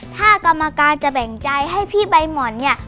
ถ้ากรรมการจะแบ่งใจให้พี่ใบหม่อนเนี่ย